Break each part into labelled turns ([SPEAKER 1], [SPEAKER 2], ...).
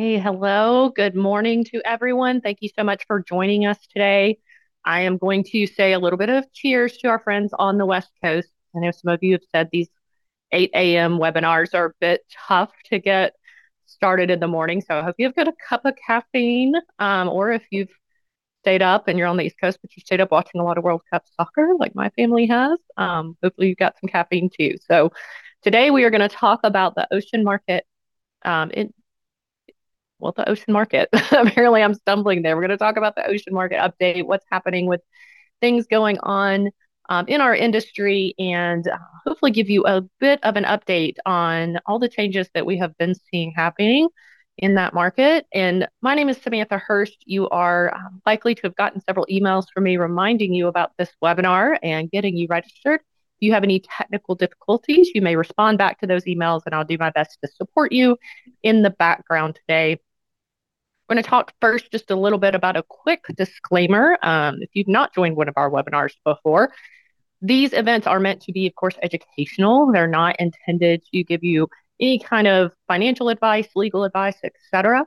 [SPEAKER 1] Hey. Hello. Good morning to everyone. Thank you so much for joining us today. I am going to say a little bit of cheers to our friends on the West Coast. I know some of you have said these 8:00 A.M. webinars are a bit tough to get started in the morning. I hope you've got a cup of caffeine. If you've stayed up and you're on the East Coast, but you stayed up watching a lot of World Cup soccer, like my family has, hopefully you've got some caffeine, too. Today, we are going to talk about the ocean market. The ocean market. Apparently, I'm stumbling there. We're going to talk about the ocean market update, what's happening with things going on in our industry, and hopefully give you a bit of an update on all the changes that we have been seeing happening in that market. My name is Samantha Hurst. You are likely to have gotten several emails from me reminding you about this webinar and getting you registered. If you have any technical difficulties, you may respond back to those emails, and I'll do my best to support you in the background today. I'm going to talk first just a little bit about a quick disclaimer. If you've not joined one of our webinars before, these events are meant to be, of course, educational. They're not intended to give you any kind of financial advice, legal advice, et cetera.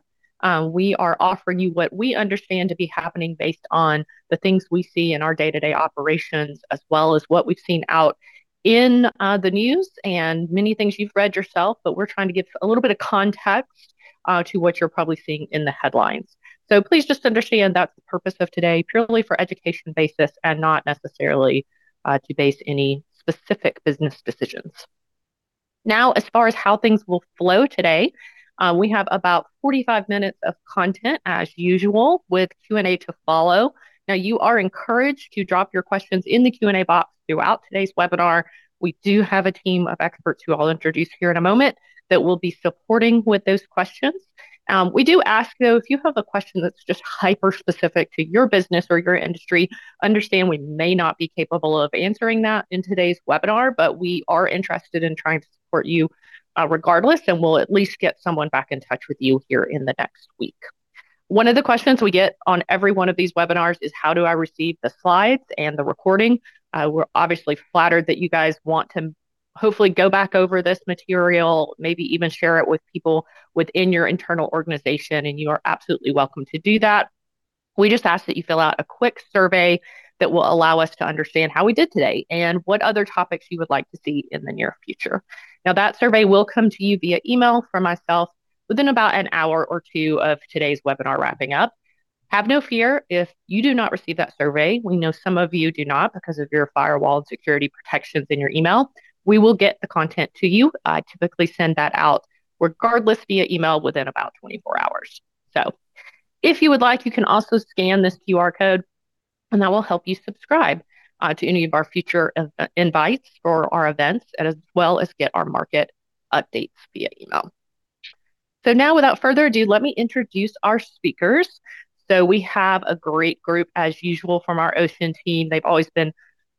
[SPEAKER 1] We are offering you what we understand to be happening based on the things we see in our day-to-day operations as well as what we've seen out in the news and many things you've read yourself, but we're trying to give a little bit of context to what you're probably seeing in the headlines. Please just understand that's the purpose of today, purely for education basis, and not necessarily to base any specific business decisions. As far as how things will flow today, we have about 45 minutes of content, as usual, with Q&A to follow. You are encouraged to drop your questions in the Q&A box throughout today's webinar. We do have a team of experts who I'll introduce here in a moment that will be supporting with those questions. We do ask, though, if you have a question that's just hyper-specific to your business or your industry, understand we may not be capable of answering that in today's webinar, but we are interested in trying to support you regardless, and we'll at least get someone back in touch with you here in the next week. One of the questions we get on every one of these webinars is how do I receive the slides and the recording? We're obviously flattered that you guys want to hopefully go back over this material, maybe even share it with people within your internal organization, and you are absolutely welcome to do that. We just ask that you fill out a quick survey that will allow us to understand how we did today and what other topics you would like to see in the near future. That survey will come to you via email from myself within about an hour or two of today's webinar wrapping up. Have no fear, if you do not receive that survey, we know some of you do not because of your firewall and security protections in your email. We will get the content to you. I typically send that out regardless via email within about 24 hours. If you would like, you can also scan this QR code, and that will help you subscribe to any of our future invites for our events and as well as get our market updates via email. Without further ado, let me introduce our speakers. We have a great group as usual from our Ocean team. They've always been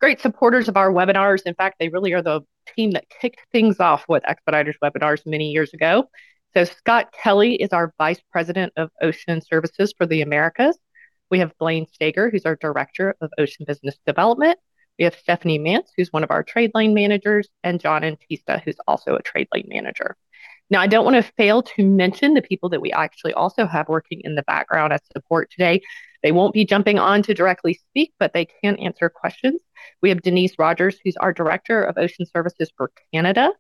[SPEAKER 1] great supporters of our webinars. In fact, they really are the team that kicked things off with Expeditors webinars many years ago. Scott Kelly is our Vice President of Ocean Services for the Americas. We have Blaine Steger, who's our Director of Ocean Business Development. We have Stephanie Mantz, who's one of our trade lane managers, and John Antista, who's also a trade lane manager. I don't want to fail to mention the people that we actually also have working in the background as support today. They won't be jumping on to directly speak, but they can answer questions. We have Denise Rogers, who's our Director of Ocean Services for Canada,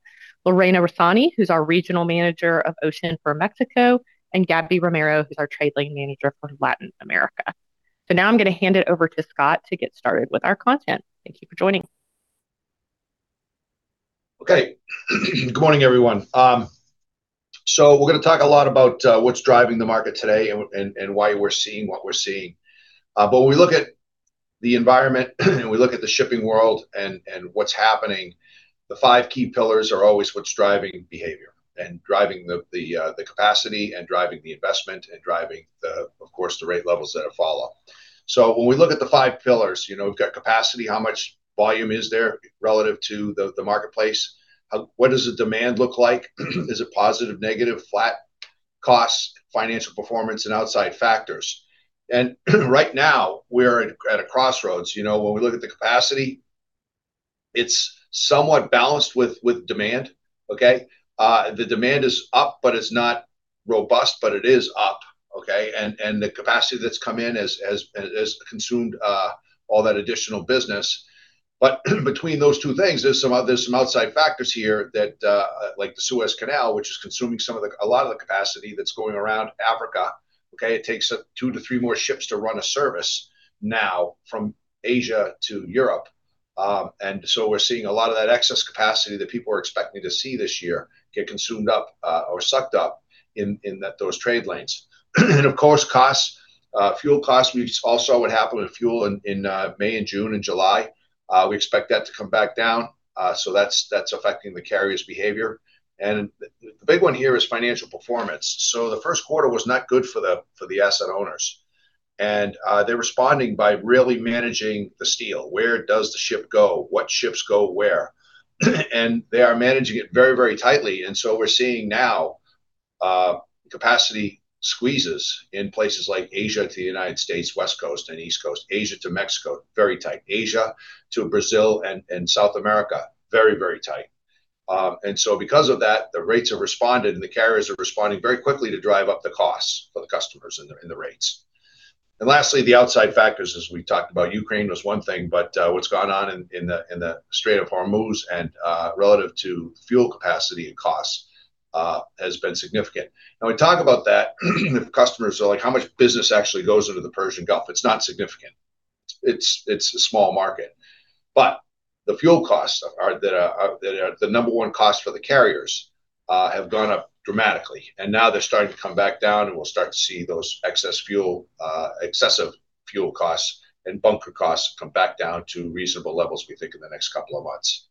[SPEAKER 1] Lorena Rosani, who's our Regional Manager of Ocean for Mexico, and Gabriela Romero, who's our Trade Lane Manager for Latin America. I'm going to hand it over to Scott to get started with our content. Thank you for joining.
[SPEAKER 2] Okay. Good morning, everyone. We're going to talk a lot about what's driving the market today and why we're seeing what we're seeing. When we look at the environment and we look at the shipping world and what's happening, the five key pillars are always what's driving behavior and driving the capacity, and driving the investment, and driving the, of course, the rate levels that follow. When we look at the five pillars, we've got capacity, how much volume is there relative to the marketplace? What does the demand look like? Is it positive, negative, flat? Costs, financial performance, and outside factors. Right now, we're at a crossroads. When we look at the capacity, it's somewhat balanced with demand, okay? The demand is up, but it's not robust, but it is up, okay? The capacity that's come in has consumed all that additional business. Between those two things, there's some outside factors here that, like the Suez Canal, which is consuming a lot of the capacity that's going around Africa, okay? It takes two to three more ships to run a service now from Asia to Europe. We're seeing a lot of that excess capacity that people are expecting to see this year get consumed up or sucked up in those trade lanes. Of course, costs, fuel costs. We all saw what happened with fuel in May, June, and July. We expect that to come back down. That's affecting the carriers' behavior. The big one here is financial performance. The first quarter was not good for the asset owners. They're responding by really managing the steel. Where does the ship go? What ships go where? And they are managing it very tightly. We're seeing now capacity squeezes in places like Asia to the U.S., West Coast and East Coast. Asia to Mexico, very tight. Asia to Brazil and South America, very tight. Because of that, the rates have responded, and the carriers are responding very quickly to drive up the costs for the customers and the rates. Lastly, the outside factors, as we talked about Ukraine was one thing, but what's gone on in the Strait of Hormuz and relative to fuel capacity and costs has been significant. We talk about that, the customers are like, "How much business actually goes into the Persian Gulf?" It's not significant. It's a small market. The fuel costs that are the number one cost for the carriers have gone up dramatically, and now they're starting to come back down, and we'll start to see those excessive fuel costs and bunker costs come back down to reasonable levels, we think, in the next couple of months.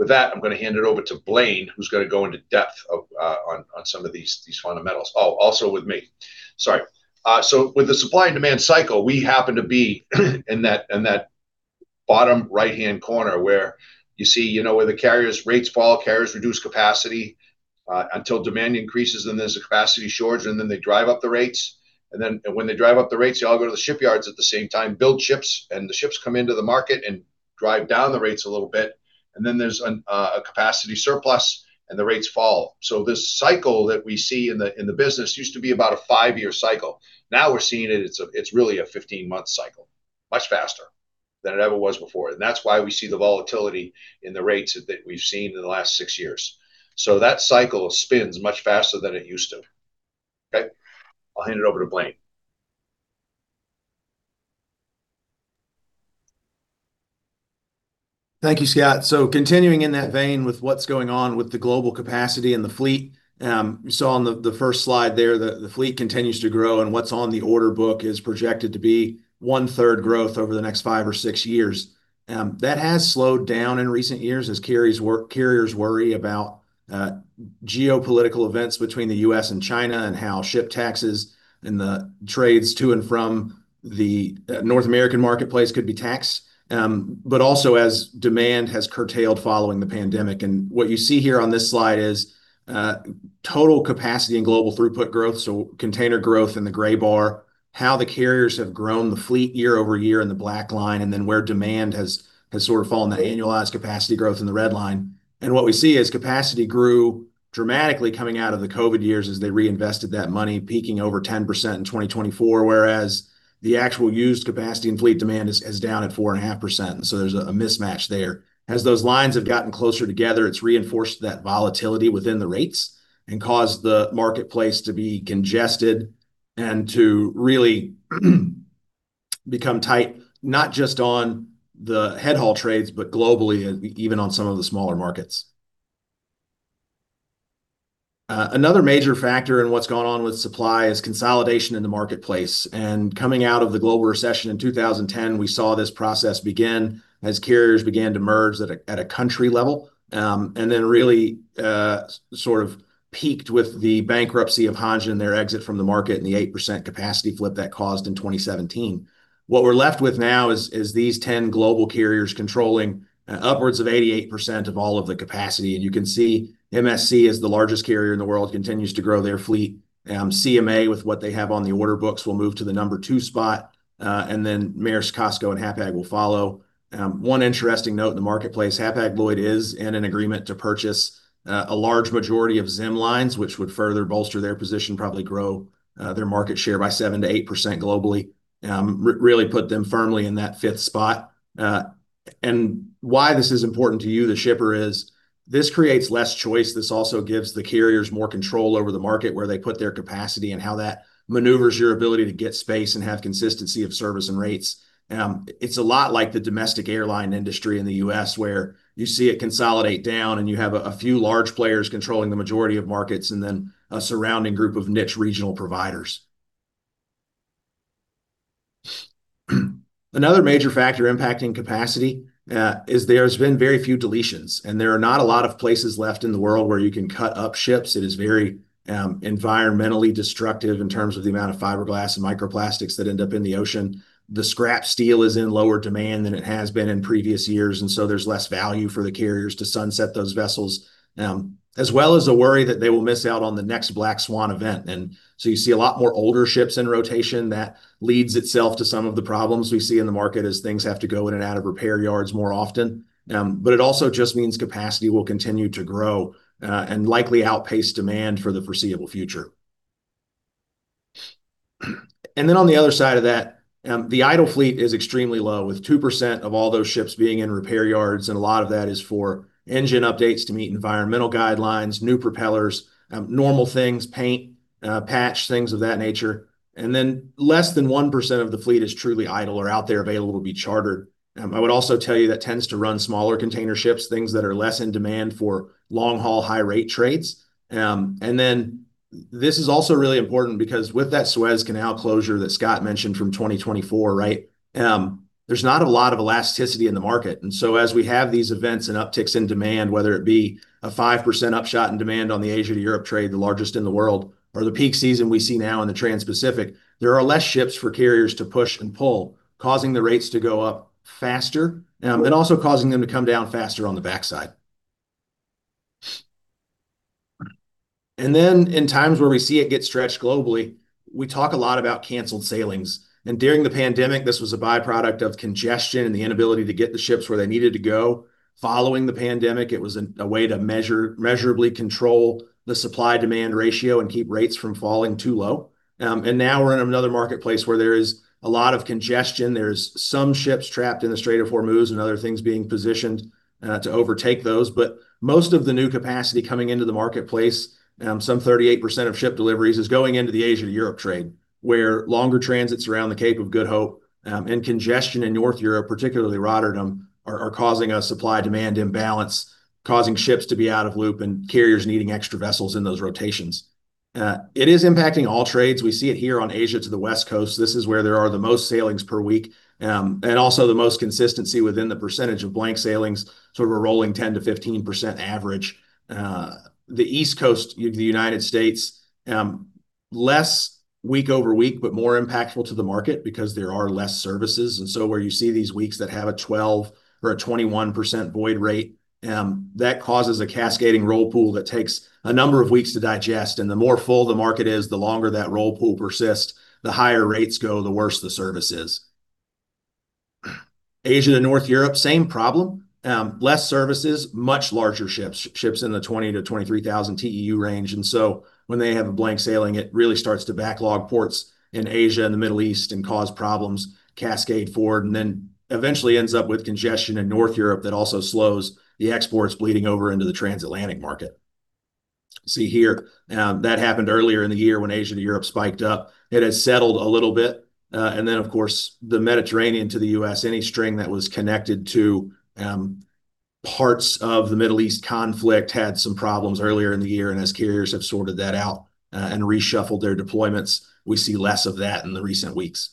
[SPEAKER 2] With that, I'm going to hand it over to Blaine, who's going to go into depth on some of these fundamentals. With the supply and demand cycle, we happen to be in that bottom right-hand corner where you see where the carriers' rates fall, carriers reduce capacity, until demand increases, then there's a capacity shortage, and then they drive up the rates. When they drive up the rates, they all go to the shipyards at the same time, build ships, and the ships come into the market and drive down the rates a little bit. There's a capacity surplus, and the rates fall. This cycle that we see in the business used to be about a five-year cycle. Now we're seeing it's really a 15-month cycle. Much faster than it ever was before. That's why we see the volatility in the rates that we've seen in the last six years. That cycle spins much faster than it used to. I'll hand it over to Blaine.
[SPEAKER 3] Thank you, Scott. Continuing in that vein with what's going on with the global capacity and the fleet. You saw on the first slide there that the fleet continues to grow, and what's on the order book is projected to be 1/3 growth over the next five or six years. That has slowed down in recent years as carriers worry about geopolitical events between the U.S. and China and how ship taxes and the trades to and from the North American marketplace could be taxed. Also as demand has curtailed following the pandemic. What you see here on this slide is total capacity and global throughput growth, so container growth in the gray bar, how the carriers have grown the fleet year-over-year in the black line, and then where demand has sort of fallen, that annualized capacity growth in the red line. What we see is capacity grew dramatically coming out of the COVID years as they reinvested that money, peaking over 10% in 2024, whereas the actual used capacity and fleet demand is down at 4.5%. There's a mismatch there. As those lines have gotten closer together, it's reinforced that volatility within the rates and caused the marketplace to be congested and to really become tight, not just on the head haul trades, but globally, even on some of the smaller markets. Another major factor in what's gone on with supply is consolidation in the marketplace. Coming out of the global recession in 2010, we saw this process begin as carriers began to merge at a country level, and then really sort of peaked with the bankruptcy of Hanjin, their exit from the market, and the 8% capacity flip that caused in 2017. What we're left with now is these 10 global carriers controlling upwards of 88% of all of the capacity. You can see MSC is the largest carrier in the world, continues to grow their fleet. CMA with what they have on the order books will move to the number two spot. Maersk, COSCO, and Hapag will follow. One interesting note in the marketplace, Hapag-Lloyd is in an agreement to purchase a large majority of Zim lines, which would further bolster their position, probably grow their market share by 7%-8% globally, really put them firmly in that fifth spot. Why this is important to you, the shipper, is this creates less choice. This also gives the carriers more control over the market, where they put their capacity, and how that maneuvers your ability to get space and have consistency of service and rates. It's a lot like the domestic airline industry in the U.S., where you see it consolidate down and you have a few large players controlling the majority of markets, and then a surrounding group of niche regional providers. Another major factor impacting capacity, is there's been very few deletions, and there are not a lot of places left in the world where you can cut up ships. It is very environmentally destructive in terms of the amount of fiberglass and microplastics that end up in the ocean. The scrap steel is in lower demand than it has been in previous years. There's less value for the carriers to sunset those vessels. As well as a worry that they will miss out on the next black swan event. You see a lot more older ships in rotation. That leads itself to some of the problems we see in the market as things have to go in and out of repair yards more often. It also just means capacity will continue to grow, and likely outpace demand for the foreseeable future. On the other side of that, the idle fleet is extremely low, with 2% of all those ships being in repair yards, and a lot of that is for engine updates to meet environmental guidelines, new propellers, normal things, paint, patch, things of that nature. Less than 1% of the fleet is truly idle or out there available to be chartered. I would also tell you that tends to run smaller container ships, things that are less in demand for long-haul, high-rate trades. This is also really important because with that Suez Canal closure that Scott mentioned from 2024, right, there's not a lot of elasticity in the market. As we have these events and upticks in demand, whether it be a 5% upshot in demand on the Asia to Europe trade, the largest in the world, or the peak season we see now in the Transpacific, there are less ships for carriers to push and pull, causing the rates to go up faster, also causing them to come down faster on the backside. In times where we see it get stretched globally, we talk a lot about canceled sailings. During the pandemic, this was a byproduct of congestion and the inability to get the ships where they needed to go. Following the pandemic, it was a way to measurably control the supply-demand ratio and keep rates from falling too low. Now we're in another marketplace where there is a lot of congestion. There's some ships trapped in the Strait of Hormuz and other things being positioned to overtake those. Most of the new capacity coming into the marketplace, some 38% of ship deliveries, is going into the Asia to Europe trade, where longer transits around the Cape of Good Hope, and congestion in North Europe, particularly Rotterdam, are causing a supply-demand imbalance, causing ships to be out of loop and carriers needing extra vessels in those rotations. It is impacting all trades. We see it here on Asia to the West Coast. This is where there are the most sailings per week, and also the most consistency within the percentage of blank sailings, sort of a rolling 10%-15% average. The East Coast of the U.S., less week over week, but more impactful to the market because there are less services. So where you see these weeks that have a 12% or a 21% void rate, that causes a cascading roll pool that takes a number of weeks to digest. The more full the market is, the longer that roll pool persists, the higher rates go, the worse the service is. Asia to North Europe, same problem. Less services, much larger ships in the 20,000-23,000 TEU range. So when they have a blank sailing, it really starts to backlog ports in Asia and the Middle East and cause problems, cascade forward, eventually ends up with congestion in North Europe that also slows the exports bleeding over into the transatlantic market. See here, that happened earlier in the year when Asia to Europe spiked up. It has settled a little bit. Then, of course, the Mediterranean to the U.S., any string that was connected to parts of the Middle East conflict had some problems earlier in the year. As carriers have sorted that out and reshuffled their deployments, we see less of that in the recent weeks.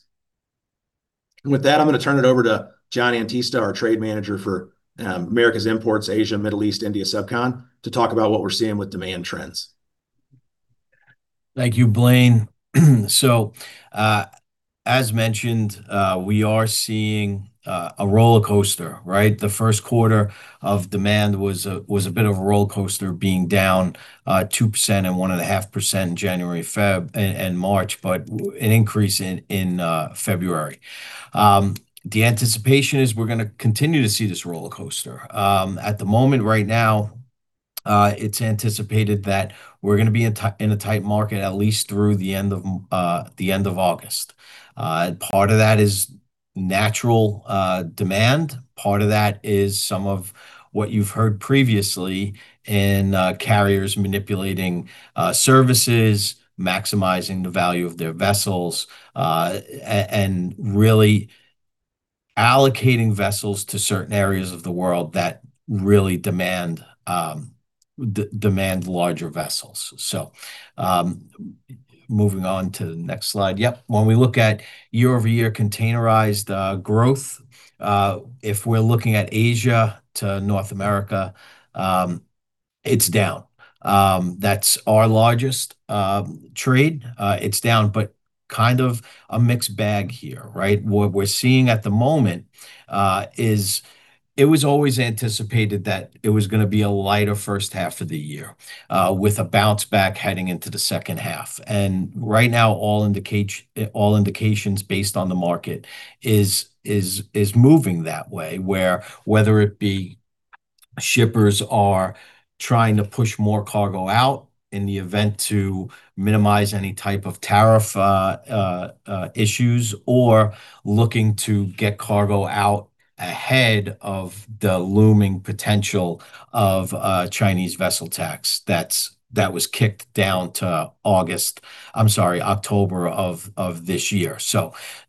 [SPEAKER 3] With that, I'm going to turn it over to John Antista, our trade manager for Americas imports, Asia, Middle East, India, Subcon, to talk about what we're seeing with demand trends.
[SPEAKER 4] Thank you, Blaine. As mentioned, we are seeing a rollercoaster, right? The first quarter of demand was a bit of a rollercoaster, being down 2% and 1.5% in January, February, and March, but an increase in February. The anticipation is we're going to continue to see this rollercoaster. At the moment right now, it's anticipated that we're going to be in a tight market at least through the end of August. Part of that is natural demand. Part of that is some of what you've heard previously in carriers manipulating services, maximizing the value of their vessels, and really allocating vessels to certain areas of the world that really demand larger vessels. Moving on to the next slide. Yep. When we look at year-over-year containerized growth, if we're looking at Asia to North America, it's down. That's our largest trade. It's down, Kind of a mixed bag here, right? What we're seeing at the moment is it was always anticipated that it was going to be a lighter first half of the year, with a bounce back heading into the second half. Right now, all indications based on the market is moving that way, where whether it be shippers are trying to push more cargo out in the event to minimize any type of tariff issues or looking to get cargo out ahead of the looming potential of a Chinese vessel tax that was kicked down to October of this year.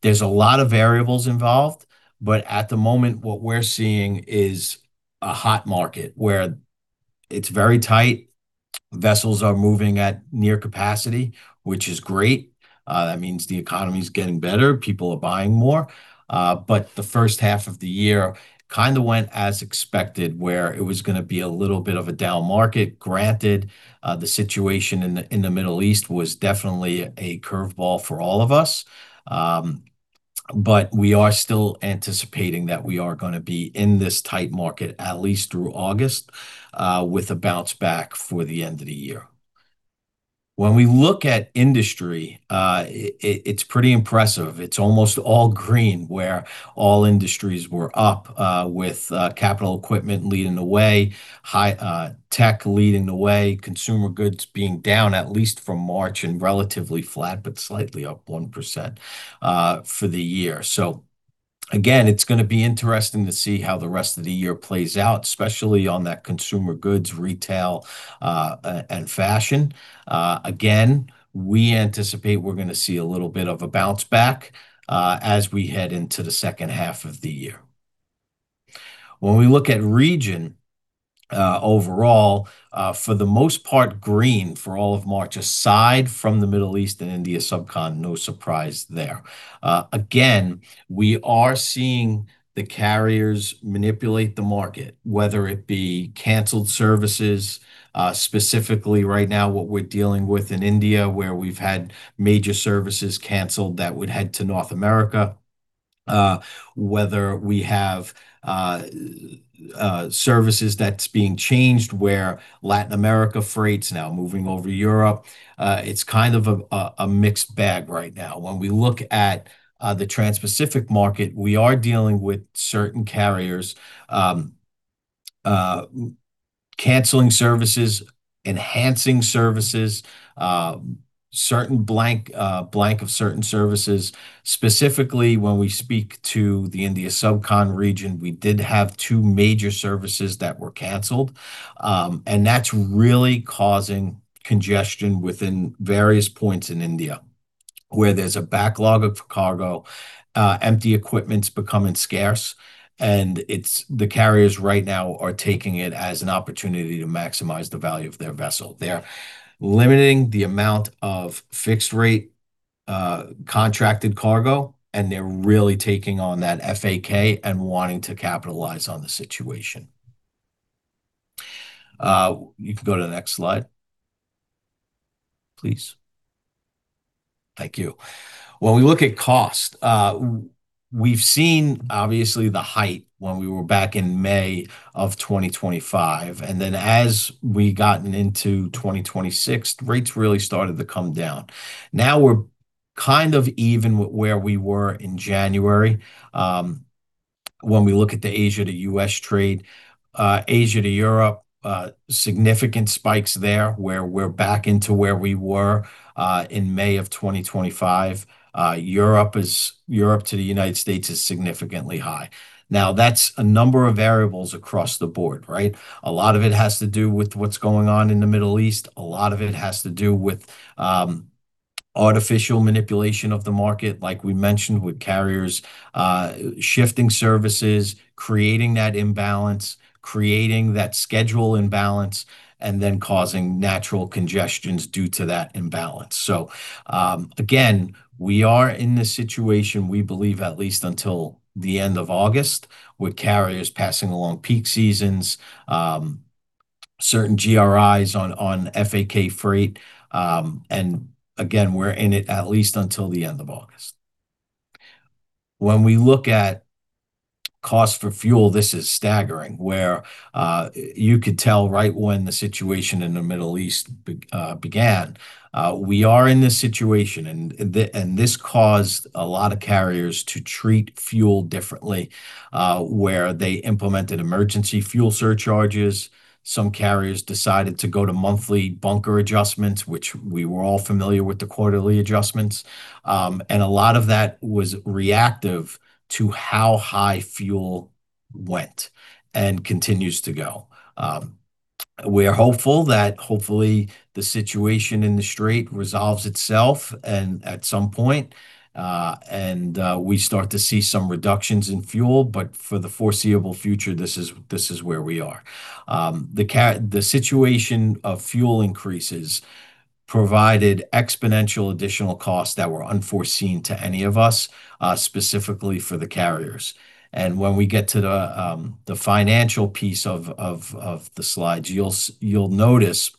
[SPEAKER 4] There's a lot of variables involved, but at the moment, what we're seeing is a hot market where it's very tight, vessels are moving at near capacity, which is great. That means the economy's getting better, people are buying more. The first half of the year kind of went as expected, where it was going to be a little bit of a down market. Granted, the situation in the Middle East was definitely a curve ball for all of us. We are still anticipating that we are going to be in this tight market at least through August, with a bounce back for the end of the year. When we look at industry, it's pretty impressive. It's almost all green, where all industries were up with capital equipment leading the way, Tech leading the way, consumer goods being down at least from March and relatively flat, but slightly up 1% for the year. Again, it's going to be interesting to see how the rest of the year plays out, especially on that consumer goods, retail, and fashion. Again, we anticipate we're going to see a little bit of a bounce back as we head into the second half of the year. When we look at region, overall, for the most part green for all of March, aside from the Middle East and India Subcontinent, no surprise there. Again, we are seeing the carriers manipulate the market, whether it be canceled services, specifically right now what we're dealing with in India where we've had major services canceled that would head to North America. Whether we have services that's being changed where Latin America freight's now moving over to Europe. It's kind of a mixed bag right now. When we look at the Transpacific market, we are dealing with certain carriers canceling services, enhancing services, blank of certain services. Specifically, when we speak to the India Subcontinent region, we did have two major services that were canceled. That's really causing congestion within various points in India, where there's a backlog of cargo, empty equipment's becoming scarce, and the carriers right now are taking it as an opportunity to maximize the value of their vessel. They're limiting the amount of fixed rate contracted cargo, and they're really taking on that FAK and wanting to capitalize on the situation. You can go to the next slide, please. Thank you. When we look at cost, we've seen obviously the height when we were back in May of 2025, and then as we gotten into 2026, rates really started to come down. Now we're kind of even with where we were in January. When we look at the Asia to U.S. trade, Asia to Europe, significant spikes there, where we're back into where we were in May of 2025. Europe to the U.S. is significantly high. That's a number of variables across the board, right? A lot of it has to do with what's going on in the Middle East. A lot of it has to do with artificial manipulation of the market, like we mentioned with carriers shifting services, creating that imbalance, creating that schedule imbalance, and then causing natural congestions due to that imbalance. Again, we are in this situation, we believe at least until the end of August, with carriers passing along peak seasons, certain GRIs on FAK freight, and again, we're in it at least until the end of August. When we look at cost for fuel, this is staggering, where you could tell right when the situation in the Middle East began. We are in this situation, and this caused a lot of carriers to treat fuel differently, where they implemented emergency fuel surcharges. Some carriers decided to go to monthly bunker adjustments, which we were all familiar with the quarterly adjustments. A lot of that was reactive to how high fuel went and continues to go. We are hopeful that hopefully the situation in the strait resolves itself at some point, and we start to see some reductions in fuel. For the foreseeable future, this is where we are. The situation of fuel increases provided exponential additional costs that were unforeseen to any of us, specifically for the carriers. When we get to the financial piece of the slides, you'll notice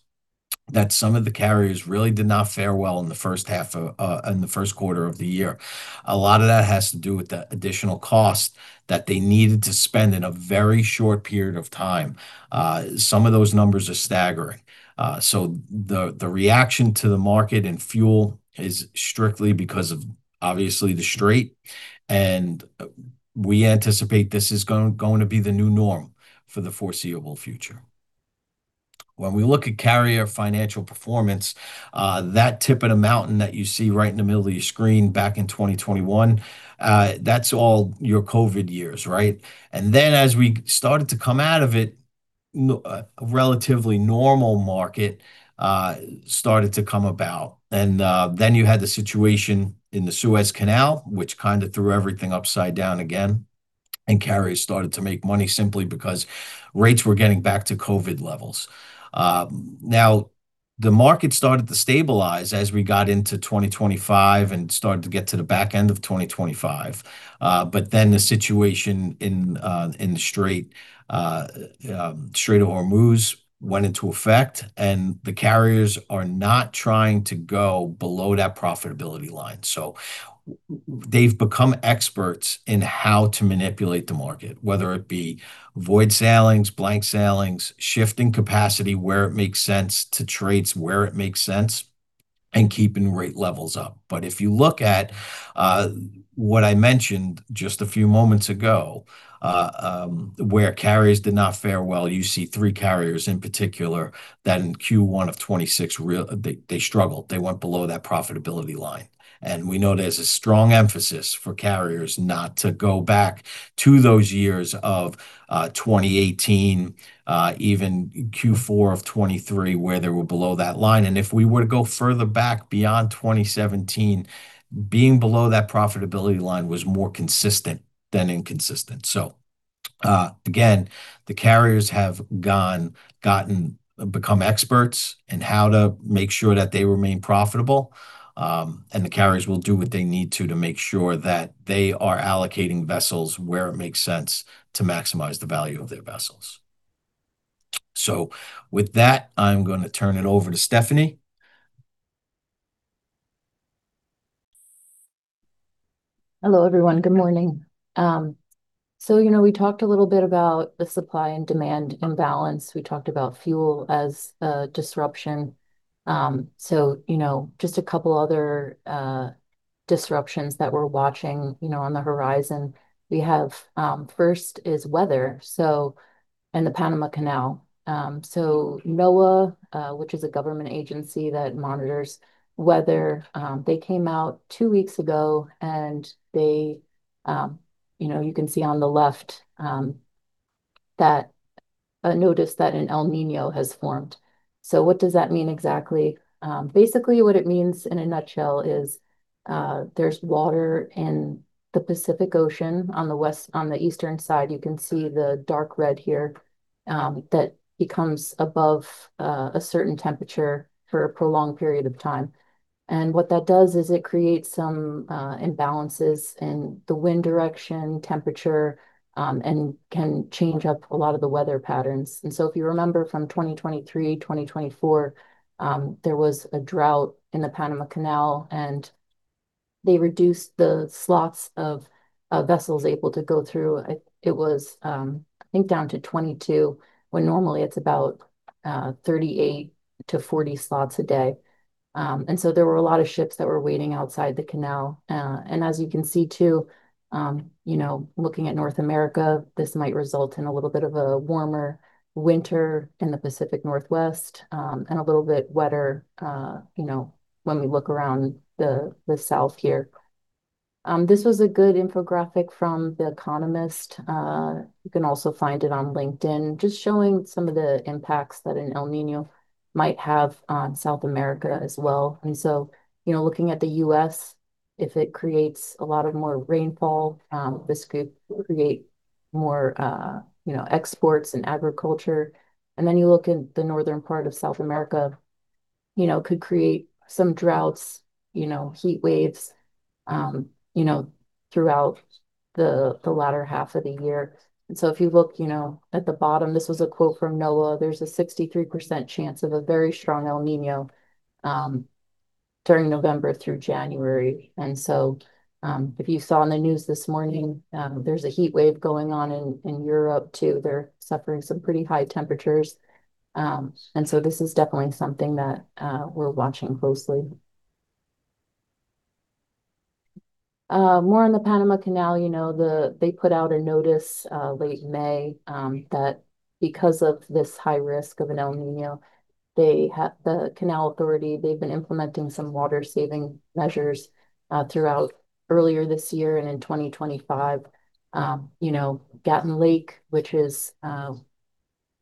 [SPEAKER 4] that some of the carriers really did not fare well in the first quarter of the year. A lot of that has to do with the additional cost that they needed to spend in a very short period of time. Some of those numbers are staggering. The reaction to the market and fuel is strictly because of, obviously, the strait, and we anticipate this is going to be the new norm for the foreseeable future. When we look at carrier financial performance, that tip of the mountain that you see right in the middle of your screen back in 2021, that's all your COVID years, right? Then as we started to come out of it, a relatively normal market started to come about. Then you had the situation in the Suez Canal, which kind of threw everything upside down again, and carriers started to make money simply because rates were getting back to COVID levels. The market started to stabilize as we got into 2025 and started to get to the back end of 2025. The situation in the Strait of Hormuz went into effect, and the carriers are not trying to go below that profitability line. They've become experts in how to manipulate the market, whether it be void sailings, blank sailings, shifting capacity where it makes sense, to trades where it makes sense, and keeping rate levels up. If you look at what I mentioned just a few moments ago, where carriers did not fare well, you see three carriers in particular that in Q1 of 2026, they struggled. They went below that profitability line. We know there's a strong emphasis for carriers not to go back to those years of 2018, even Q4 of 2023, where they were below that line. If we were to go further back beyond 2017, being below that profitability line was more consistent than inconsistent. Again, the carriers have become experts in how to make sure that they remain profitable. The carriers will do what they need to to make sure that they are allocating vessels where it makes sense to maximize the value of their vessels. With that, I'm going to turn it over to Stephanie.
[SPEAKER 5] Hello, everyone. Good morning. We talked a little bit about the supply and demand imbalance. We talked about fuel as a disruption. Just a couple other disruptions that we're watching on the horizon we have, first is weather, and the Panama Canal. NOAA, which is a government agency that monitors weather, they came out two weeks ago, and you can see on the left a notice that an El Niño has formed. What does that mean exactly? Basically, what it means, in a nutshell, is there's water in the Pacific Ocean on the eastern side, you can see the dark red here, that becomes above a certain temperature for a prolonged period of time. What that does is it creates some imbalances in the wind direction, temperature, and can change up a lot of the weather patterns. If you remember from 2023, 2024, there was a drought in the Panama Canal, and they reduced the slots of vessels able to go through. It was, I think, down to 22, when normally it's about 38-40 slots a day. There were a lot of ships that were waiting outside the canal. As you can see too, looking at North America, this might result in a little bit of a warmer winter in the Pacific Northwest, and a little bit wetter when we look around the south here. This was a good infographic from The Economist, you can also find it on LinkedIn, just showing some of the impacts that an El Niño might have on South America as well. Looking at the U.S., if it creates a lot of more rainfall, this could create more exports in agriculture. You look in the northern part of South America, could create some droughts, heat waves, throughout the latter half of the year. If you look at the bottom, this was a quote from NOAA, there is a 63% chance of a very strong El Niño during November through January. If you saw on the news this morning, there is a heat wave going on in Europe too. They are suffering some pretty high temperatures. This is definitely something that we are watching closely. More on the Panama Canal. They put out a notice late May that because of this high risk of an El Niño, the Canal Authority, they have been implementing some water-saving measures throughout earlier this year and in 2025. Gatun Lake, which is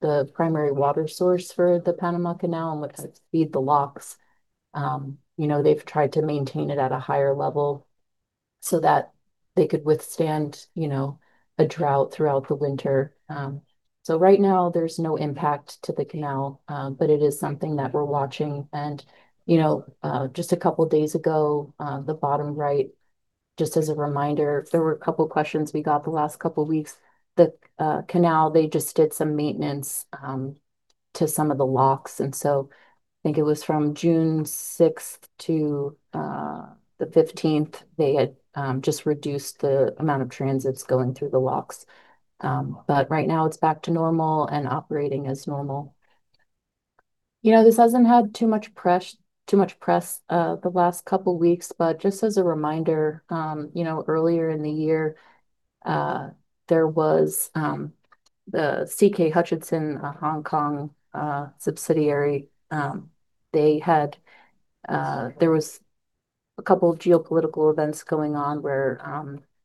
[SPEAKER 5] the primary water source for the Panama Canal and what does feed the locks. They have tried to maintain it at a higher level so that they could withstand a drought throughout the winter. Right now, there is no impact to the canal, but it is something that we are watching. Just a couple of days ago, the bottom right, just as a reminder, there were a couple of questions we got the last couple of weeks. The canal, they just did some maintenance to some of the locks, and I think it was from June 6th to the 15th, they had just reduced the amount of transits going through the locks. Right now it is back to normal and operating as normal. This has not had too much press the last couple of weeks, but just as a reminder, earlier in the year, there was the CK Hutchison, a Hong Kong subsidiary. There was a couple of geopolitical events going on where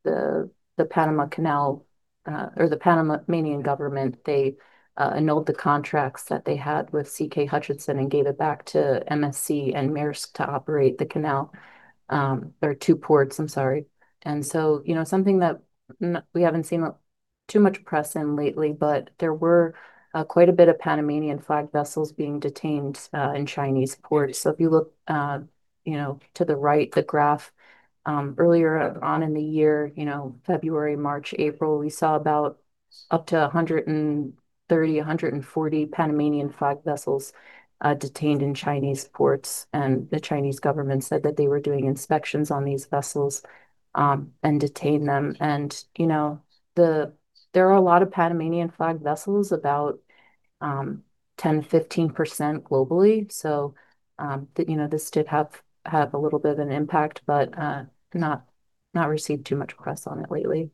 [SPEAKER 5] the Panama Canal or the Panamanian government, they annulled the contracts that they had with CK Hutchison and gave it back to MSC and Maersk to operate the canal or two ports, I am sorry. Something that we have not seen too much press in lately, but there were quite a bit of Panamanian-flagged vessels being detained in Chinese ports. If you look to the right, the graph, earlier on in the year, February, March, April, we saw about up to 130, 140 Panamanian-flagged vessels detained in Chinese ports. The Chinese government said that they were doing inspections on these vessels, and detained them. There are a lot of Panamanian-flagged vessels, about 10%-15% globally. This did have a little bit of an impact, but not received too much press on it lately.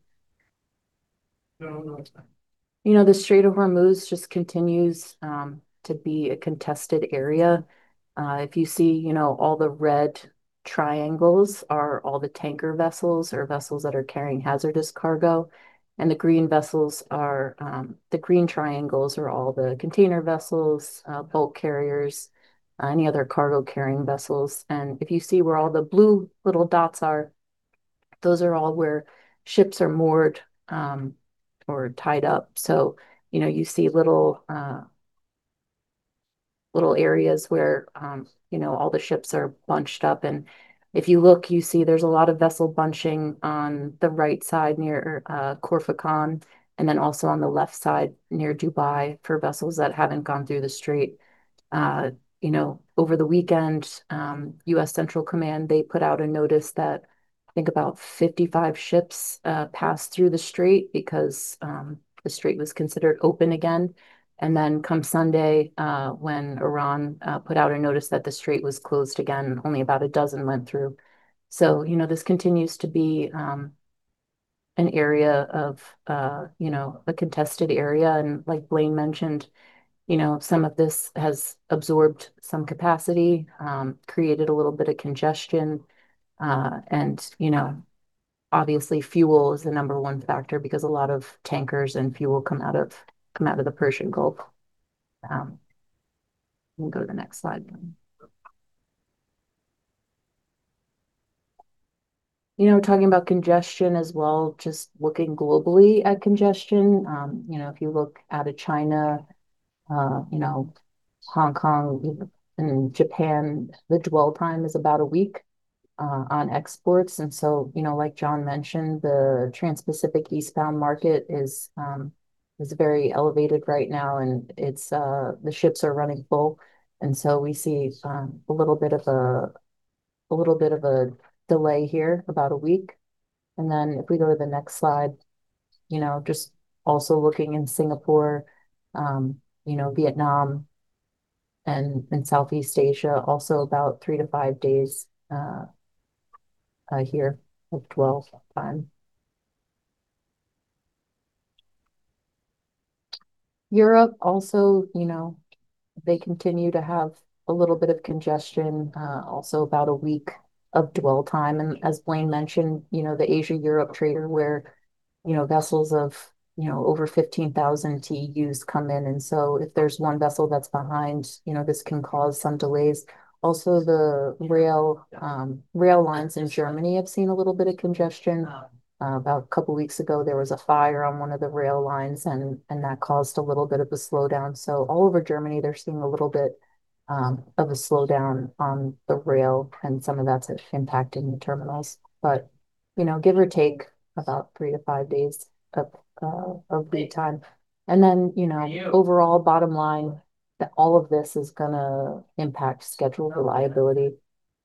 [SPEAKER 1] No, not at all.
[SPEAKER 5] The Strait of Hormuz just continues to be a contested area. If you see all the red triangles are all the tanker vessels or vessels that are carrying hazardous cargo. The green triangles are all the container vessels, bulk carriers, any other cargo-carrying vessels. If you see where all the blue little dots are, those are all where ships are moored or tied up. You see little areas where all the ships are bunched up. If you look, you see there's a lot of vessel bunching on the right side near Khor Fakkan, then also on the left side near Dubai for vessels that haven't gone through the strait. Over the weekend, U.S. Central Command, they put out a notice that I think about 55 ships passed through the strait because the strait was considered open again. Come Sunday, when Iran put out a notice that the strait was closed again, only about a dozen went through. This continues to be an area of a contested area. Like Blaine mentioned, some of this has absorbed some capacity, created a little bit of congestion. Obviously fuel is the number one factor because a lot of tankers and fuel come out of the Persian Gulf. You can go to the next slide. Talking about congestion as well, just looking globally at congestion. If you look out of China, Hong Kong and Japan, the dwell time is about a week on exports. Like John mentioned, the Transpacific eastbound market is very elevated right now, and the ships are running full. We see a little bit of a delay here, about a week. If we go to the next slide, just also looking in Singapore, Vietnam, and Southeast Asia, also about three to five days here of dwell time. Europe also, they continue to have a little bit of congestion, also about a week of dwell time. As Blaine mentioned, the Asia-Europe trader where vessels of over 15,000 TEUs come in, and if there's one vessel that's behind, this can cause some delays. Also, the rail lines in Germany have seen a little bit of congestion. About a couple of weeks ago, there was a fire on one of the rail lines, and that caused a little bit of a slowdown. All over Germany, they're seeing a little bit of a slowdown on the rail, and some of that's impacting the terminals. Give or take about three to five days of lead time. Overall bottom line, that all of this is going to impact schedule reliability.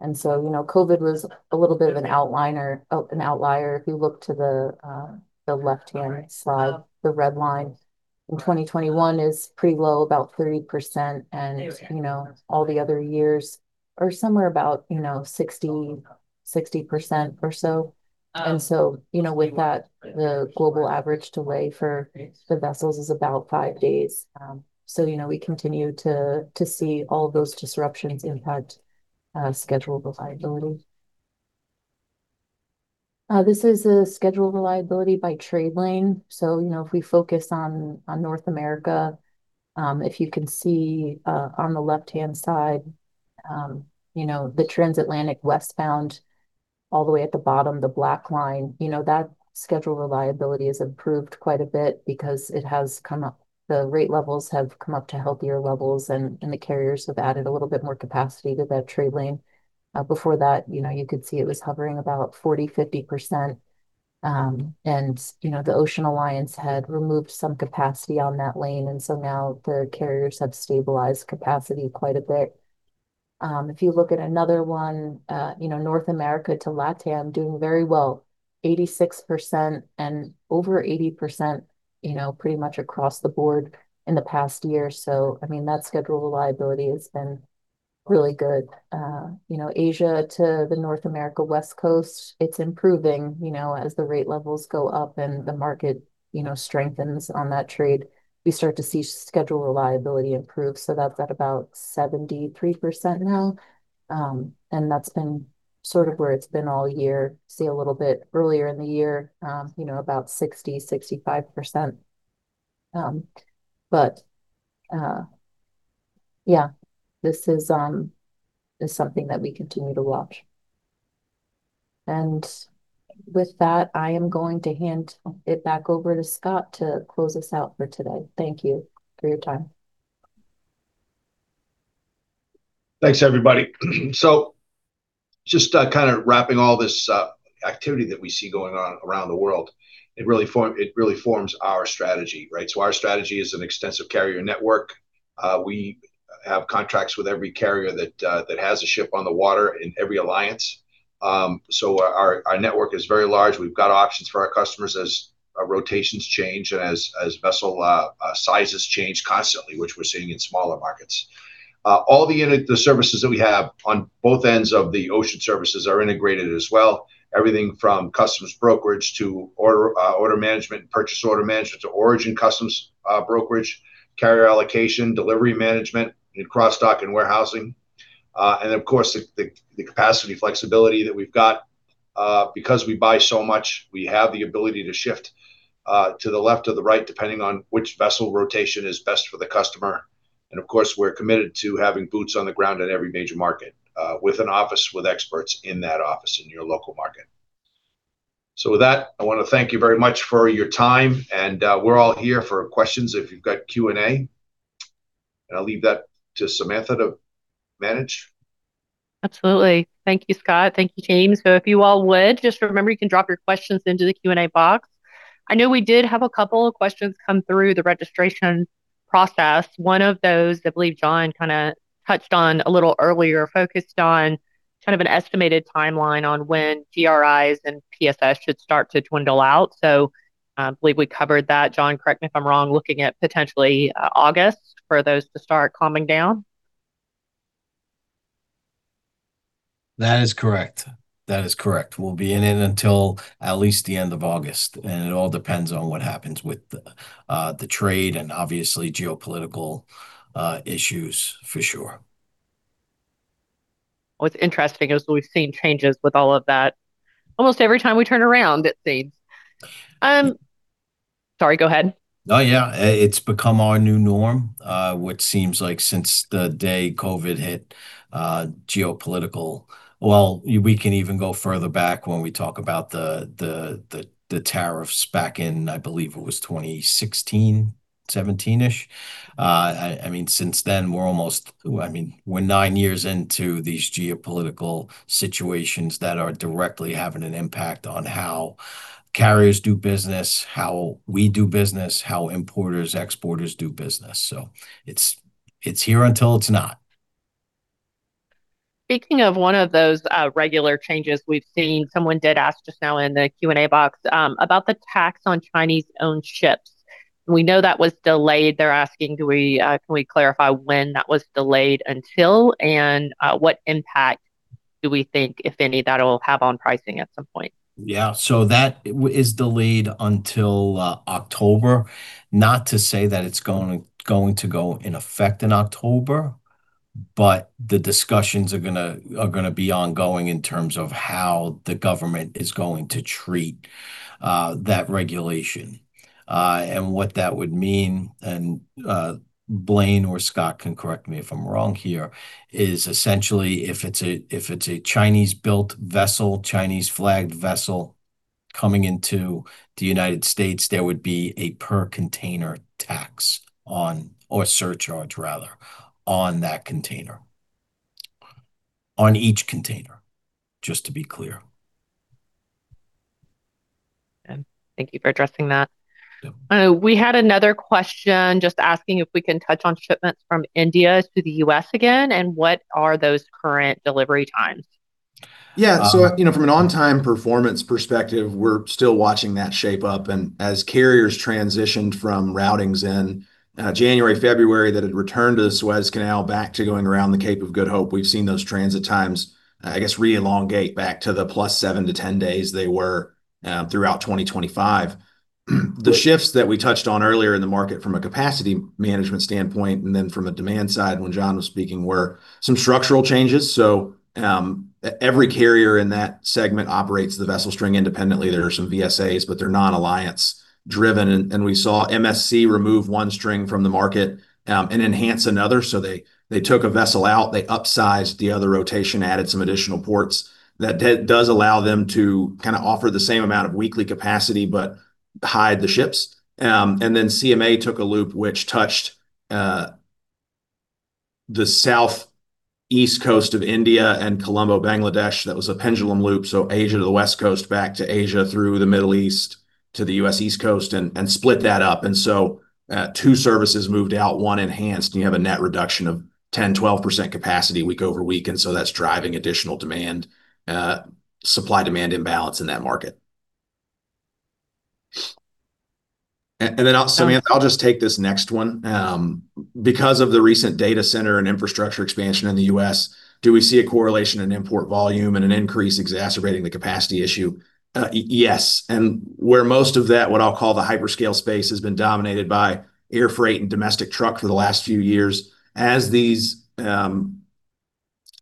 [SPEAKER 5] COVID was a little bit of an outlier. If you look to the left-hand side, the red line in 2021 is pretty low, about 30%, and all the other years are somewhere about 60% or so. With that, the global average to wait for the vessels is about five days. We continue to see all those disruptions impact schedule reliability. This is a schedule reliability by trade lane. If we focus on North America, if you can see on the left-hand side, the transatlantic westbound all the way at the bottom, the black line. That schedule reliability has improved quite a bit because the rate levels have come up to healthier levels, and the carriers have added a little bit more capacity to that trade lane. Before that, you could see it was hovering about 40%-50%. The Ocean Alliance had removed some capacity on that lane, now the carriers have stabilized capacity quite a bit. If you look at another one, North America to LATAM, doing very well, 86% and over 80% pretty much across the board in the past year. I mean, that schedule reliability has been really good. Asia to the North America West Coast, it's improving, as the rate levels go up and the market strengthens on that trade. We start to see schedule reliability improve. That's at about 73% now. That's been sort of where it's been all year. See a little bit earlier in the year, about 60%-65%. This is something that we continue to watch. With that, I am going to hand it back over to Scott to close us out for today. Thank you for your time.
[SPEAKER 2] Thanks, everybody. Just kind of wrapping all this up, activity that we see going on around the world, it really forms our strategy, right? Our strategy is an extensive carrier network. We have contracts with every carrier that has a ship on the water in every alliance. Our network is very large. We've got options for our customers as our rotations change and as vessel sizes change constantly, which we're seeing in smaller markets. All the services that we have on both ends of the ocean services are integrated as well. Everything from customs brokerage to order management and purchase order management to origin customs brokerage, carrier allocation, delivery management, and cross-dock and warehousing. Of course, the capacity flexibility that we've got. Because we buy so much, we have the ability to shift to the left or the right, depending on which vessel rotation is best for the customer. Of course, we're committed to having boots on the ground in every major market, with an office with experts in that office in your local market. With that, I want to thank you very much for your time, we're all here for questions if you've got Q&A. I'll leave that to Samantha to manage.
[SPEAKER 1] Absolutely. Thank you, Scott. Thank you, team. If you all would, just remember, you can drop your questions into the Q&A box. I know we did have a couple of questions come through the registration process. One of those, I believe John kind of touched on a little earlier, focused on kind of an estimated timeline on when GRIs and PSS should start to dwindle out. I believe we covered that. John, correct me if I'm wrong, looking at potentially August for those to start calming down?
[SPEAKER 4] That is correct. We'll be in it until at least the end of August. It all depends on what happens with the trade and obviously geopolitical issues for sure.
[SPEAKER 1] It's interesting as we've seen changes with all of that almost every time we turn around it seems. Sorry, go ahead.
[SPEAKER 4] Yeah. It's become our new norm, which seems like since the day COVID hit, geopolitical. We can even go further back when we talk about the tariffs back in, I believe it was 2016, 2017-ish. Since then, we're nine years into these geopolitical situations that are directly having an impact on how carriers do business, how we do business, how importers, exporters do business. It's here until it's not.
[SPEAKER 1] Speaking of one of those regular changes we've seen, someone did ask just now in the Q&A box about the tax on Chinese-owned ships. We know that was delayed. They're asking can we clarify when that was delayed until, and what impact do we think, if any, that'll have on pricing at some point?
[SPEAKER 4] Yeah. That is delayed until October. Not to say that it's going to go in effect in October, but the discussions are going to be ongoing in terms of how the government is going to treat that regulation. What that would mean, and Blaine or Scott can correct me if I'm wrong here, is essentially if it's a Chinese-built vessel, Chinese-flagged vessel coming into the U.S., there would be a per container tax, or a surcharge rather, on that container. On each container, just to be clear.
[SPEAKER 1] Thank you for addressing that.
[SPEAKER 4] Yeah.
[SPEAKER 1] We had another question just asking if we can touch on shipments from India to the U.S. again, what are those current delivery times?
[SPEAKER 3] From an on-time performance perspective, we're still watching that shape up, as carriers transitioned from routings in January, February that had returned to the Suez Canal back to going around the Cape of Good Hope, we've seen those transit times, I guess, re-elongate back to the +seven to 10 days they were throughout 2025. The shifts that we touched on earlier in the market from a capacity management standpoint, then from a demand side when John was speaking, were some structural changes. Every carrier in that segment operates the vessel string independently. There are some VSAs, but they're non-alliance driven. We saw MSC remove one string from the market and enhance another. They took a vessel out, they upsized the other rotation, added some additional ports. That does allow them to kind of offer the same amount of weekly capacity but hide the ships. CMA took a loop which touched the southeast coast of India and Colombo, Bangladesh. That was a pendulum loop, Asia to the West Coast, back to Asia, through the Middle East to the U.S. East Coast, and split that up. Two services moved out, one enhanced, and you have a net reduction of 10%, 12% capacity week-over-week, that's driving additional demand, supply, demand imbalance in that market. Samantha, I'll just take this next one. Because of the recent data center and infrastructure expansion in the U.S., do we see a correlation in import volume and an increase exacerbating the capacity issue? Yes. Where most of that, what I'll call the hyperscale space, has been dominated by air freight and domestic truck for the last few years. As these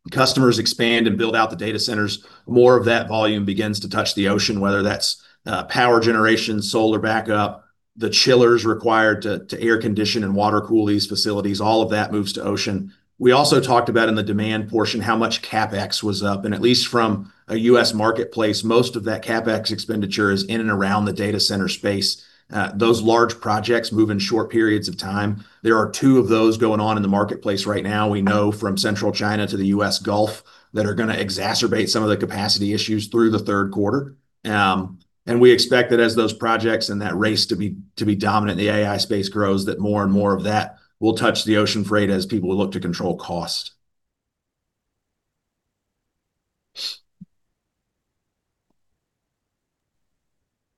[SPEAKER 3] customers expand and build out the data centers, more of that volume begins to touch the ocean, whether that's power generation, solar backup, the chillers required to air condition and water cool these facilities, all of that moves to ocean. We also talked about in the demand portion how much CapEx was up, and at least from a U.S. marketplace, most of that CapEx expenditure is in and around the data center space. Those large projects move in short periods of time. There are two of those going on in the marketplace right now. We know from central China to the U.S. Gulf that are going to exacerbate some of the capacity issues through the third quarter. We expect that as those projects and that race to be dominant in the AI space grows, that more and more of that will touch the ocean freight as people look to control cost.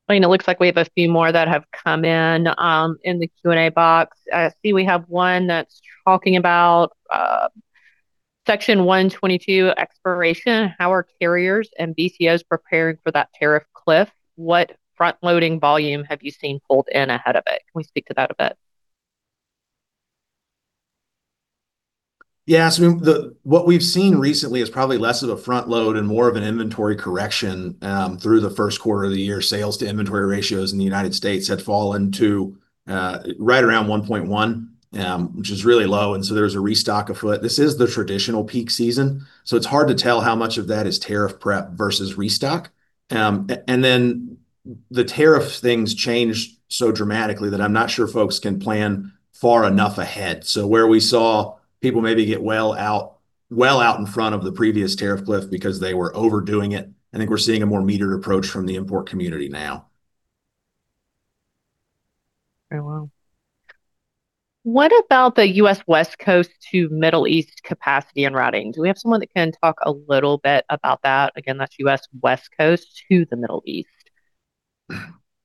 [SPEAKER 1] Blaine, it looks like we have a few more that have come in the Q&A box. I see we have one that's talking about Section 321 expiration. How are carriers and BCOs preparing for that tariff cliff? What front loading volume have you seen pulled in ahead of it? Can we speak to that a bit?
[SPEAKER 3] What we've seen recently is probably less of a front load and more of an inventory correction through the first quarter of the year. Sales to inventory ratios in the U.S. had fallen to right around 1.1, which is really low, and there's a restock afoot. This is the traditional peak season, it's hard to tell how much of that is tariff prep versus restock. The tariff things changed so dramatically that I'm not sure folks can plan far enough ahead. Where we saw people maybe get well out in front of the previous tariff cliff because they were overdoing it, I think we're seeing a more metered approach from the import community now.
[SPEAKER 1] Very well. What about the U.S. West Coast to Middle East capacity and routing? Do we have someone that can talk a little bit about that? Again, that's U.S. West Coast to the Middle East.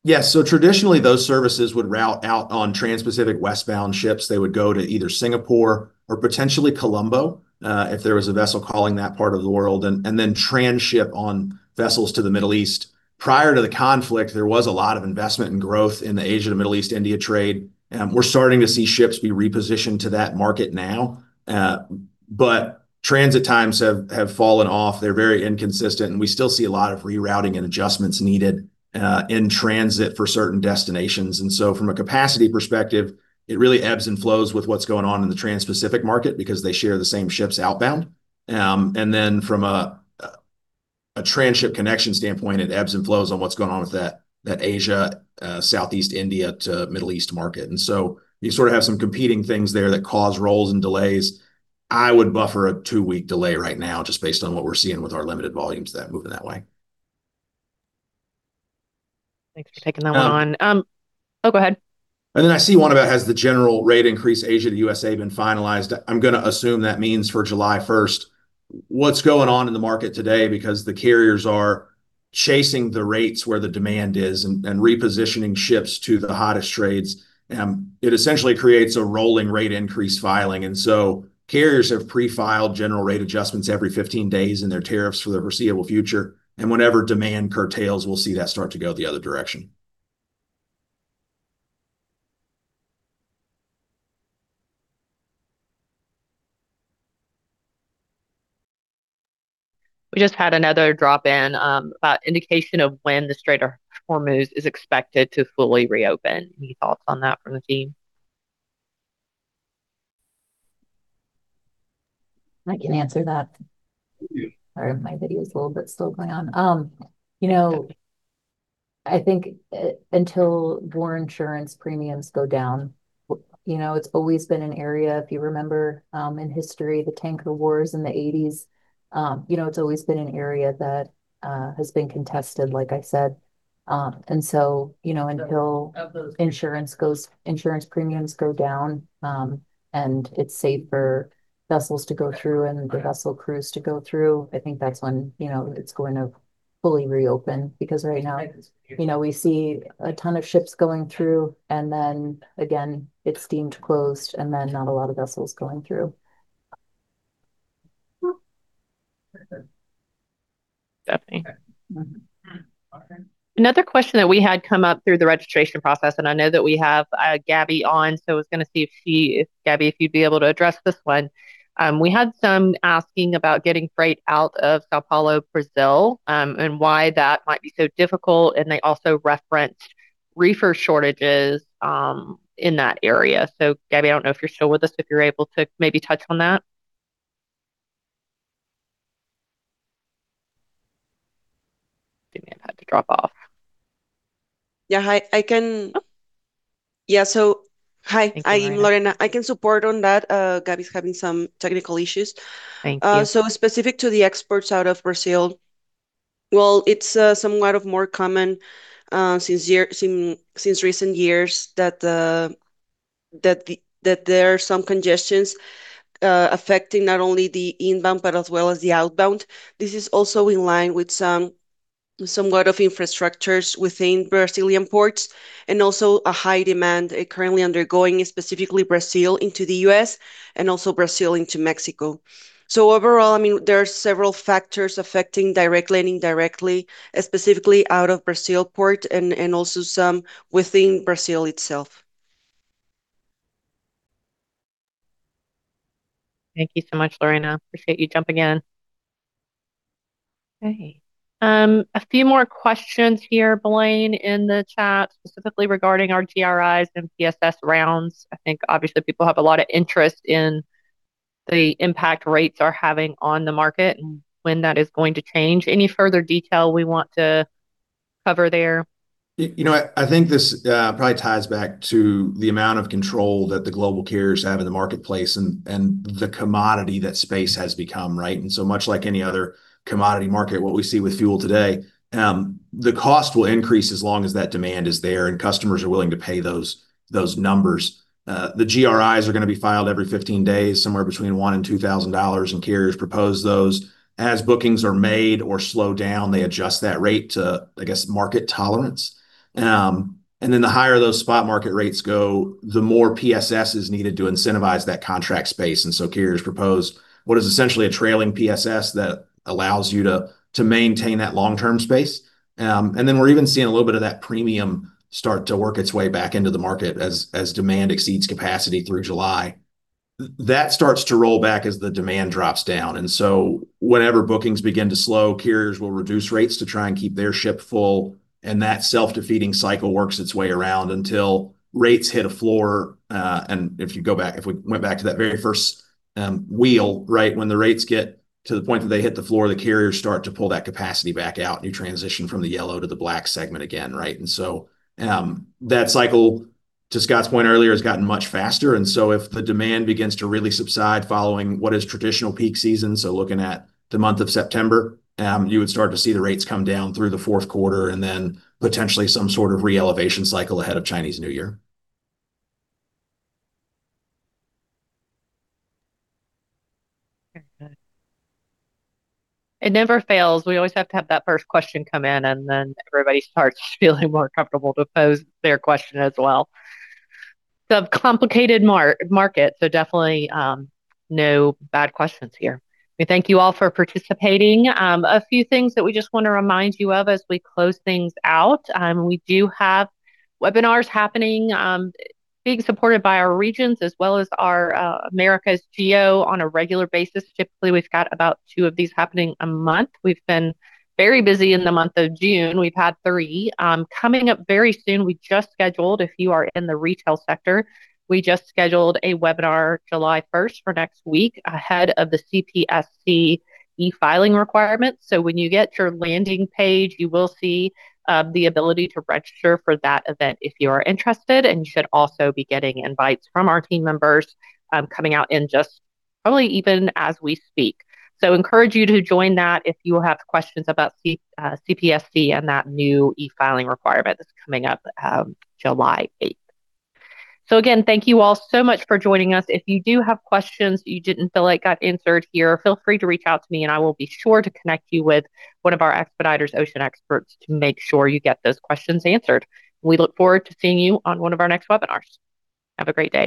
[SPEAKER 3] Yes. Traditionally those services would route out on Transpacific westbound ships. They would go to either Singapore or potentially Colombo, if there was a vessel calling that part of the world, then transship on vessels to the Middle East. Prior to the conflict, there was a lot of investment and growth in the Asia to Middle East India trade. We're starting to see ships be repositioned to that market now. Transit times have fallen off. They're very inconsistent, and we still see a lot of rerouting and adjustments needed in transit for certain destinations. From a capacity perspective, it really ebbs and flows with what's going on in the Transpacific market because they share the same ships outbound. From a transship connection standpoint, it ebbs and flows on what's going on with that Asia, Southeast India to Middle East market. You sort of have some competing things there that cause rolls and delays. I would buffer a two-week delay right now just based on what we're seeing with our limited volumes that are moving that way.
[SPEAKER 1] Thanks for taking that one. Oh, go ahead.
[SPEAKER 3] I see one about has the general rate increase Asia to U.S.A. been finalized? I'm going to assume that means for July 1st. What's going on in the market today, because the carriers are chasing the rates where the demand is and repositioning ships to the hottest trades, it essentially creates a rolling rate increase filing. Carriers have pre-filed general rate adjustments every 15 days in their tariffs for the foreseeable future. Whenever demand curtails, we'll see that start to go the other direction.
[SPEAKER 1] We just had another drop in about indication of when the Strait of Hormuz is expected to fully reopen. Any thoughts on that from the team?
[SPEAKER 5] I can answer that. Sorry, my video's a little bit still going on. I think until war insurance premiums go down, it's always been an area, if you remember, in history, the Tanker War in the 1980s. It's always been an area that has been contested, like I said. Until-
[SPEAKER 1] Of those-
[SPEAKER 5] insurance premiums go down, and it's safe for vessels to go through and the vessel crews to go through, I think that's when it's going to fully reopen. Right now-
[SPEAKER 1] It's safe
[SPEAKER 5] We see a ton of ships going through. Again, it's deemed closed, not a lot of vessels going through.
[SPEAKER 1] Stephanie. Another question that we had come up through the registration process. I know that we have Gabby on, I was going to see if Gabby, if you'd be able to address this one. We had some asking about getting freight out of São Paulo, Brazil, why that might be so difficult, they also referenced reefer shortages in that area. Gabby, I don't know if you're still with us, if you're able to maybe touch on that. Gabby had to drop off.
[SPEAKER 6] Yeah, hi. I can.
[SPEAKER 1] Oh.
[SPEAKER 6] Yeah, hi.
[SPEAKER 1] Thank you, Lorena.
[SPEAKER 6] I'm Lorena. I can support on that. Gabby's having some technical issues.
[SPEAKER 1] Thank you.
[SPEAKER 6] Specific to the exports out of Brazil, well, it's somewhat more common since recent years that there are some congestions affecting not only the inbound but as well as the outbound. This is also in line with somewhat of infrastructures within Brazilian ports and also a high demand currently undergoing, specifically Brazil into the U.S. and also Brazil into Mexico. Overall, there are several factors affecting direct, landing directly, specifically out of Brazil port and also some within Brazil itself.
[SPEAKER 1] Thank you so much, Lorena. Appreciate you jumping in. Okay. A few more questions here, Blaine, in the chat, specifically regarding our GRIs and PSS rounds. I think obviously people have a lot of interest in the impact rates are having on the market and when that is going to change. Any further detail we want to cover there?
[SPEAKER 3] I think this probably ties back to the amount of control that the global carriers have in the marketplace and the commodity that space has become, right? Much like any other commodity market, what we see with fuel today, the cost will increase as long as that demand is there and customers are willing to pay those numbers. The GRIs are going to be filed every 15 days, somewhere between $1,000 and $2,000, and carriers propose those. As bookings are made or slow down, they adjust that rate to, I guess, market tolerance. The higher those spot market rates go, the more PSS is needed to incentivize that contract space. Carriers propose what is essentially a trailing PSS that allows you to maintain that long-term space. We're even seeing a little bit of that premium start to work its way back into the market as demand exceeds capacity through July. That starts to roll back as the demand drops down. Whenever bookings begin to slow, carriers will reduce rates to try and keep their ship full, and that self-defeating cycle works its way around until rates hit a floor. If we went back to that very first wheel, right, when the rates get to the point that they hit the floor, the carriers start to pull that capacity back out and you transition from the yellow to the black segment again, right? That cycle, to Scott's point earlier, has gotten much faster. If the demand begins to really subside following what is traditional peak season, so looking at the month of September, you would start to see the rates come down through the fourth quarter and then potentially some sort of re-elevation cycle ahead of Chinese New Year.
[SPEAKER 1] Very good. It never fails. We always have to have that first question come in and then everybody starts feeling more comfortable to pose their question as well. It's a complicated market. Definitely no bad questions here. We thank you all for participating. A few things that we just want to remind you of as we close things out. We do have webinars happening, being supported by our regions as well as our Americas GO on a regular basis. Typically, we've got about two of these happening a month. We've been very busy in the month of June. We've had three. Coming up very soon, we just scheduled, if you are in the retail sector, we just scheduled a webinar July 1st for next week ahead of the CPSC e-filing requirements. When you get your landing page, you will see the ability to register for that event if you are interested, and you should also be getting invites from our team members coming out in just probably even as we speak. Encourage you to join that if you have questions about CPSC and that new e-filing requirement that's coming up July 8th. Again, thank you all so much for joining us. If you do have questions you didn't feel like got answered here, feel free to reach out to me and I will be sure to connect you with one of our Expeditors Ocean experts to make sure you get those questions answered. We look forward to seeing you on one of our next webinars. Have a great day